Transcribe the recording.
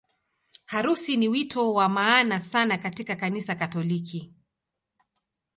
Harusi ni wito wa maana sana katika Kanisa Katoliki.